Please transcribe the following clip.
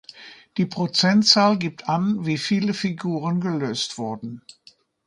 Die Prozentzahl gibt an wie viele Figuren gelöst wurden.